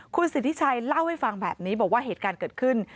คุณสิทธิชัยเล่าให้ฟังแบบนี้บอกว่าเหตุการณ์เกิดขึ้น